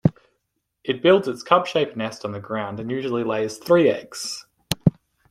It builds its cup-shaped nest on the ground and usually lays three eggs.